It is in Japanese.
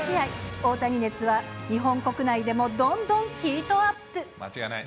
大谷熱は、日本国内でもどんどん間違いない。